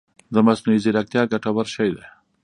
مصنوعي ځيرکتيا ګټور شی دی